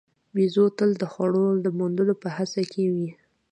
بیزو تل د خوړو د موندلو په هڅه کې وي.